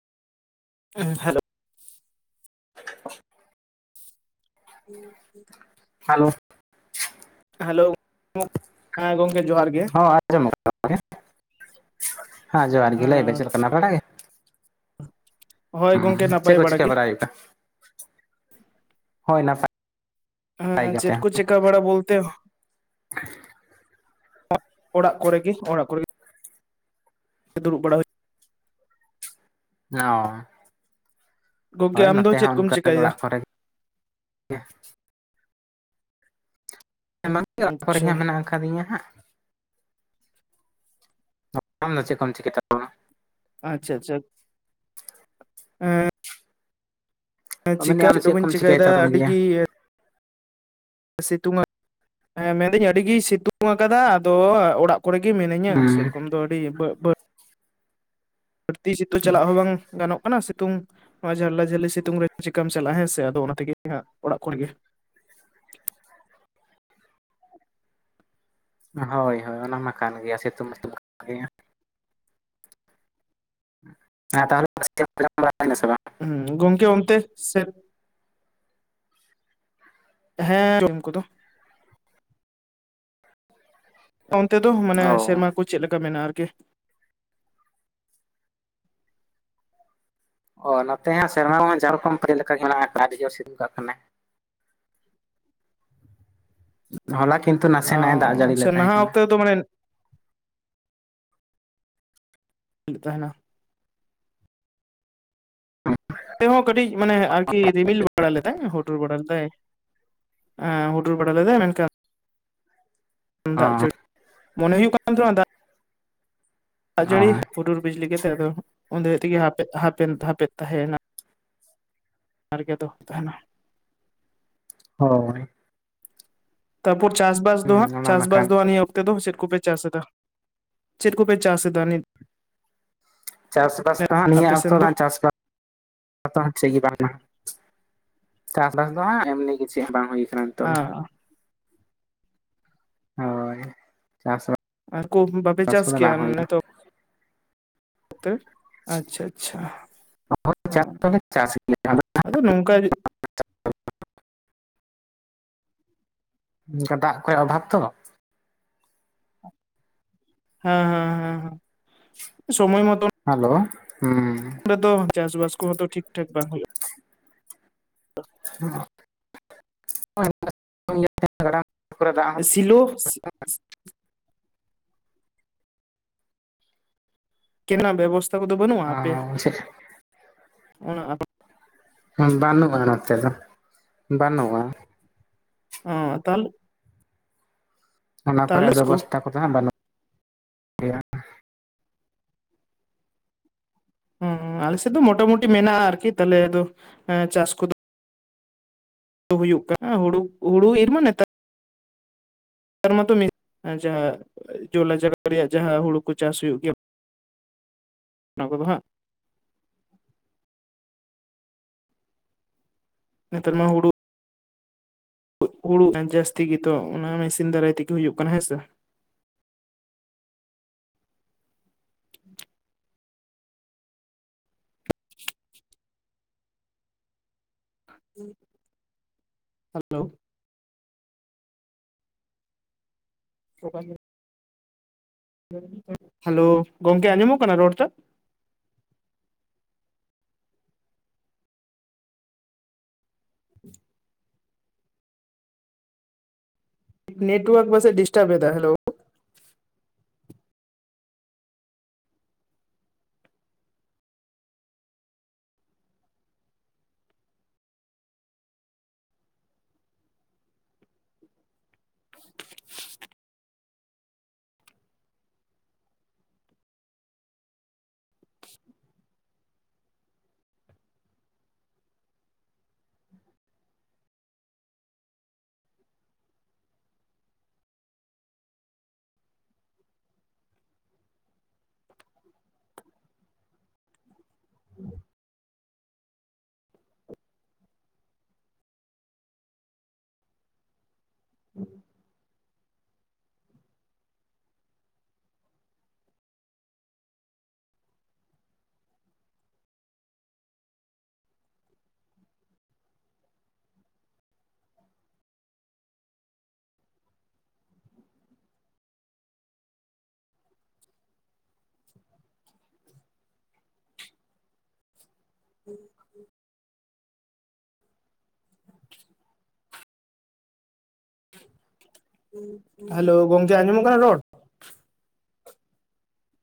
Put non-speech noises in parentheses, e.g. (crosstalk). ᱮᱸ hello (inaudible) (inaudible) hello hello ᱦᱮᱸ ᱜᱚᱝᱠᱮ ᱡᱚᱦᱟᱨ ᱜᱮ ᱦᱚᱸ ᱟᱸᱡᱚᱢ ᱠᱟᱱ ᱜᱮᱭᱟ, ᱦᱮᱸ ᱡᱚᱦᱟᱨ ᱜᱮ ᱦᱮᱸ ᱞᱟᱹᱭᱵᱮᱱ ᱪᱮᱫ ᱞᱮᱠᱟ ᱱᱟ ᱵᱟᱲᱟ ᱜᱮ? ᱦᱳᱭ ᱩᱸ ᱜᱚᱝᱠᱮ ᱪᱮᱫ ᱱᱟᱯᱟᱭ ᱠᱚ ᱵᱟᱲᱟ ᱪᱤᱠᱟ ᱜᱮ ᱵᱟᱲᱟᱭ ᱦᱩᱭᱩᱜᱼᱟ, ᱦᱳᱭ ᱱᱟᱯᱟᱭ ᱦᱩᱸ ᱦᱩᱸ ᱜᱮ ᱛᱮ ᱪᱮᱫ ᱠᱚ ᱪᱮᱠᱟ ᱵᱟᱲᱟ ᱵᱚᱞᱛᱮ ᱚᱸᱜ ᱚᱲᱟᱜ ᱠᱚᱨᱮ ᱜᱮ ᱚᱲᱟᱜ ᱠᱚᱨᱮ ᱫᱩᱲᱩᱵ ᱵᱟᱲᱟ ᱦᱩᱭ ᱚ ᱜᱚᱝᱠᱮ ᱦᱳᱭ ᱟᱢ ᱫᱚ ᱱᱚᱛᱮ ᱪᱮᱫ ᱦᱚᱸ ᱠᱚᱢ ᱚᱱᱠᱟ ᱪᱮᱠᱟᱭᱮᱫᱟ ᱚᱲᱟᱜ ᱠᱚᱨᱮ ᱜᱮ ᱵᱟᱝᱜᱮ ᱚᱲᱟᱜ ᱠᱚᱨᱮ ᱟᱪᱪᱷᱟ ᱦᱟᱸᱜ ᱢᱮᱱᱟᱜ ᱟᱠᱟᱫᱤᱧᱟ ᱦᱟᱸᱜ᱾ ᱟᱢ ᱫᱚᱢ ᱪᱮᱫ ᱠᱚᱢ ᱪᱤᱠᱟ (unintelligible) ᱟᱪᱪᱷᱟ ᱟᱪᱪᱷᱟ ᱮᱻ ᱛᱟᱵᱚᱱᱟ ᱢᱮᱱᱮ ᱪᱤᱠᱟ ᱟᱢ ᱪᱮᱫ ᱦᱚ ᱵᱟᱹᱧ ᱠᱚᱢ ᱪᱤᱠᱟᱹᱭ ᱪᱮᱤᱠᱟᱹᱭᱮᱫᱟ ᱛᱟᱵᱚᱱ ᱜᱮᱭᱟ? ᱟᱹᱰᱤᱜᱮ ᱥᱤᱛᱩᱝᱟ ᱦᱮᱸ ᱢᱮᱱᱫᱟᱹᱧ ᱟᱹᱰᱤ ᱜᱮ ᱥᱤᱛᱩᱝ ᱟᱠᱟᱫᱟ ᱟᱫᱚ ᱚᱲᱟᱜ ᱠᱚᱨᱮ ᱜᱮ ᱢᱤᱱᱟᱹᱧ-ᱟ ᱦᱩᱸ ᱥᱮᱨᱚᱠᱚᱢ ᱫᱚ ᱟᱹᱰᱤ (unintelligible) ᱫᱷᱟᱹᱲᱛᱤ (unintelligible) ᱥᱤᱛᱩ (unintelligible) ᱪᱟᱞᱟᱜ ᱦᱚᱸ ᱵᱟᱝ ᱜᱟᱱᱚᱜ ᱚᱱᱟ ᱥᱤᱛᱩᱝ ᱱᱚᱣᱟ ᱡᱷᱟᱞᱞᱟ ᱡᱷᱟᱹᱞᱤ ᱥᱤᱛᱩᱝ ᱨᱮ ᱪᱤᱠᱟᱢ ᱪᱟᱞᱟᱜ-ᱟ ᱦᱮᱸᱥᱮ ᱟᱫᱚ ᱚᱱᱟ ᱛᱮᱜᱮ ᱦᱟᱸᱜ ᱚᱲᱟᱜ ᱠᱚᱨᱮ ᱜᱮ᱾ ᱦᱳᱭ ᱦᱳᱭ ᱚᱱᱟ ᱢᱟ ᱠᱟᱱ ᱜᱮᱭᱟ ᱥᱤᱛᱩᱝ ᱠᱟᱜ (inaudible) ᱜᱮ ᱦᱮᱸ (inaudible) ᱛᱟᱦᱚᱞᱮ (inaudible) ᱵᱟᱝ ᱦᱩ ᱜᱚᱢᱠᱮ ᱜᱚᱢᱠᱮ ᱚᱱᱛᱮ ᱥᱮᱫ? ᱦᱮᱸᱻ ᱡᱚᱢ ᱠᱚᱫᱚ ᱚᱱᱛᱮ ᱫᱚ ᱢᱟᱱᱮ ᱚ ᱥᱮᱨᱢᱟ ᱠᱚ ᱪᱮᱫ ᱞᱮᱠᱟ ᱢᱮᱱᱟᱜᱼᱟ ᱟᱨᱠᱤ? ᱚ ᱱᱚᱛᱮ ᱦᱚᱸ ᱥᱮᱨᱢᱟ ᱦᱚᱸ ᱡᱟ ᱨᱚᱠᱚᱢ ᱯ (unintelligible) ᱞᱮᱠᱟ ᱜᱮ ᱢᱮᱱᱟᱜᱼᱟ ᱟᱹᱰᱤ ᱡᱳᱨ ᱥᱤᱫᱩᱠᱟᱜ ᱠᱟᱱᱟᱭ᱾ ᱦᱚᱞᱟ ᱠᱤᱱᱛᱩ ᱱᱟᱥᱮ ᱱᱟᱜᱼᱮ ᱫᱟᱜ ᱡᱟᱹᱲᱤ ᱞᱮᱫ ᱛᱟᱦᱮᱸ ᱠᱟᱱᱟ ᱛᱚ ᱢᱟᱱᱮ (unintelligible) ᱛᱟᱦᱮᱱᱟ (unintelligible) ᱱᱚᱛᱮ ᱦᱚ ᱠᱟᱹᱴᱤᱡ ᱢᱟᱱᱮ ᱟᱨᱠᱤ ᱨᱤᱢᱤᱞ ᱵᱟᱲᱟ ᱞᱮᱫᱟᱭ ᱦᱩᱰᱩᱨ ᱵᱟᱲᱟ ᱞᱮᱫᱟᱭ᱾ ᱮᱸ ᱦᱩᱰᱩᱨ ᱵᱟᱲᱟ ᱞᱮᱫᱟᱭ ᱢᱮᱱᱠᱷᱟᱱ (inaudible) ᱫᱟᱜ ᱡᱟᱹᱲᱤ (inaudible) ᱢᱚᱱᱮ ᱦᱩᱭᱩᱜ ᱠᱟᱱ ᱛᱟᱦᱮᱸᱜᱼᱟ ᱫᱟᱜ ᱫᱟᱜ ᱚ ᱡᱟᱹᱲᱤ ᱦᱩᱰᱩᱨ ᱵᱤᱡᱽᱞᱤ ᱠᱟᱛᱮᱜ ᱟᱫᱚ ᱩᱱ (unintelligible) ᱛᱮᱜᱮ ᱦᱟᱯᱮ ᱦᱟᱯᱮᱱ ᱦᱟᱯᱮᱫ ᱛᱟᱦᱮᱸ ᱮᱱᱟ᱾ ᱟᱨᱜᱮ ᱫᱚ ᱛᱟᱦᱮᱱᱟ᱾ ᱦᱚᱭ᱾ ᱛᱯᱚᱨ ᱪᱟᱥ ᱵᱟᱥ ᱦᱩᱸ ᱫᱚᱦᱟᱜ ᱚᱱᱟ ᱢᱟ ᱠᱟᱱ ᱪᱟᱥᱵᱟᱥ ᱫᱚᱦᱟ ᱜᱮ ᱱᱤᱭᱟᱹ ᱚᱠᱛᱚ ᱚᱱᱛᱮ ᱫᱚ ᱪᱮᱫ ᱠᱚᱯᱮ ᱪᱟᱥ ᱮᱫᱟ ᱪᱮᱫ ᱠᱚᱯᱮ ᱪᱟᱥ ᱮᱫᱟ ᱱᱤᱛ? ᱪᱟᱥᱵᱟᱥ ᱫᱚᱦᱟᱸ ᱱᱤᱭᱟᱹ ᱟᱯᱮ ᱚᱠᱛᱚ ᱥᱮᱱ ᱫᱚ (inaudible) ᱪᱟᱥᱵᱟᱥ ᱪᱮᱫ ᱜᱮ ᱵᱟᱝ ᱪᱟᱥ-ᱵᱟᱥ ᱫᱚ ᱦᱟᱝ ᱮᱢᱱᱤ ᱜᱮ ᱪᱮ ᱵᱟᱝ ᱦᱩᱭ ᱱᱤᱛᱟᱹᱜ ᱫᱚ ᱦᱳᱭ ᱪᱟᱥ ᱟᱨ ᱠᱚ ᱵᱟᱯᱮ ᱪᱟᱥ ᱠᱮᱭᱟ ᱱᱤᱛᱚᱜ ᱟᱪᱪᱷᱟ ᱟᱪᱪᱷᱟ ᱦᱟ ᱪᱟᱥ ᱫᱚᱞᱮ ᱪᱟᱥ ᱜᱮᱭᱟ ᱟᱫᱚ ᱱᱚᱝᱠᱟ ᱚᱱᱠᱟ ᱫᱟᱜ ᱠᱚᱭ ᱚᱵᱷᱟᱵ ᱛᱚ ᱦᱮᱸ ᱦᱮᱸ ᱦᱮᱸ ᱦᱮᱸ ᱥᱚᱢᱚᱭ ᱢᱚᱛᱚᱱ ᱦᱮᱞᱳ, ᱦᱩᱸ᱾ ᱟᱫᱚ ᱪᱟᱥᱼᱵᱟᱥ ᱠᱚᱦᱚ ᱛᱚ ᱴᱷᱤᱠ ᱴᱷᱟᱠ ᱵᱟᱝ ᱦᱩᱭᱩᱜᱼᱟ᱾ (unintelligible) ᱠᱚᱨᱮ ᱫᱟᱜ ᱦᱚᱸ ᱥᱤᱞᱳ ᱠᱮᱱᱟ ᱵᱮᱵᱚᱥᱛᱷᱟ ᱠᱚᱫᱚ ᱵᱟᱹᱱᱩᱜ-ᱟ, ᱟᱯᱮ ᱚᱱᱟ ᱟᱯ ᱵᱟᱹᱱᱩᱜ-ᱟ ᱱᱚᱛᱮ ᱫᱚ, ᱵᱟᱹᱱᱩᱜᱼᱟ᱾ ᱚ ᱛᱟᱦᱚᱞᱮ ᱚᱱᱟ ᱠᱚᱨᱮ ᱛᱟᱦᱚᱞᱮ ᱠᱚ ᱵᱮᱵᱚᱥᱛᱟ ᱠᱚᱫᱚ ᱦᱟᱸᱜ ᱵᱟᱹᱱᱩᱜ᱾ ᱜᱮᱭᱟ ᱦᱩᱸ ᱟᱞᱮ ᱥᱮᱫ ᱫᱚ ᱢᱚᱴᱟᱼᱢᱩᱴᱤ ᱢᱮᱱᱟᱜᱼᱟ ᱟᱨᱠᱤ ᱛᱟᱦᱚᱞᱮ ᱟᱫᱚ ᱪᱟᱥ ᱠᱚᱫᱚ ᱦᱩᱭᱩᱜ ᱠᱟᱱᱟ ᱦᱩᱲᱩ ᱦᱩᱲᱩ ᱤᱨ ᱢᱟ ᱱᱮᱛᱟ ᱟᱨ ᱢᱟᱛᱚ (inaudible) ᱡᱟᱦᱟᱸ ᱡᱚᱞᱟ ᱡᱟᱭᱜᱟ ᱨᱮᱭᱟᱜ ᱡᱟᱦᱟᱸ ᱦᱩᱲᱩ ᱠᱚ ᱪᱟᱥ ᱦᱩᱭᱩᱜ ᱜᱮᱭᱟ ᱚᱱᱟ ᱠᱚᱫᱚ ᱦᱟᱸᱜ ᱱᱮᱛᱟᱨ ᱢᱟ ᱦᱩᱲᱩ ᱩᱜᱽ ᱦᱩᱲᱩ ᱮᱸ ᱡᱟᱹᱥᱛᱤ ᱜᱮᱛᱚ ᱚᱱᱟ ᱢᱮᱥᱤᱱ ᱫᱟᱨᱟᱭ ᱛᱮᱜᱮ ᱦᱩᱭᱩᱜ ᱠᱟᱱᱟ ᱦᱮᱸᱥᱮ? (inaudible) ᱦᱮᱞᱳ᱾ (unintelligible) (inaudible) ᱦᱮᱞᱳ ᱜᱚᱝᱠᱮ ᱟᱸᱡᱚᱢᱚᱜ ᱠᱟᱱᱟ ᱨᱚᱲ ᱴᱟᱜ? (inaudible) ᱱᱮᱴᱣᱟᱨᱠ ᱯᱟᱥᱮ ᱰᱤᱥᱴᱟᱵᱽ ᱮᱫᱟ, ᱦᱮᱞᱳ᱾ (inaudible) ᱦᱮᱞᱳ ᱜᱚᱝᱠᱮ ᱟᱸᱡᱚᱢ ᱠᱟᱱᱟ ᱨᱚᱲ?